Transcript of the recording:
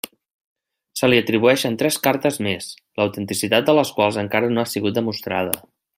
Se li atribueixen tres cartes més, l'autenticitat de les quals encara no ha sigut demostrada.